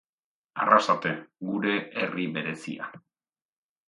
Arrasate, gure herri berezia.